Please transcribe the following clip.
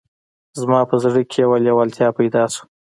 زما په زړه کې یوه لېوالتیا پیدا شوه